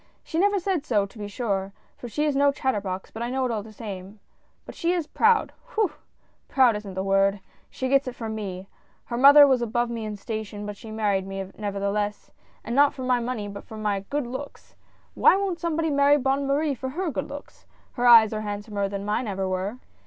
" She never said so, to be sure — for she is no chat terbox, but I know it all the same — but she is proud, whew! proud isn't the word — she gets that from me. Her mother was above me in station, but she married me, nevertheless — and not for my money but for my good looks. — Why won't somebody marry Bonne Marie for her good looks? — her eyes are handsomer than mine ever were